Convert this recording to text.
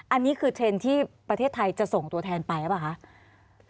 อันนี้คือเทรนด์ที่ประเทศไทยจะส่งตัวแทนไปหรือเปล่าคะ